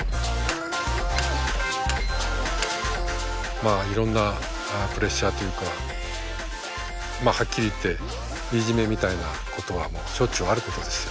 まあいろんなプレッシャーというかまあはっきり言っていじめみたいなことはしょっちゅうあることですよ。